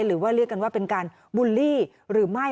หรือว่าเรียกกันว่าเป็นการบูลลี่หรือไม่